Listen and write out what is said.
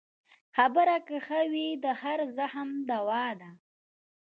خبره که ښه وي، هر زخم دوا ده.